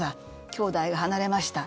兄弟が離れました。